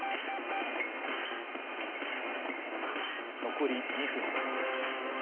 残り２分です。